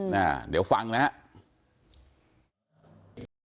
อ่าเดี๋ยวฟังนะครับ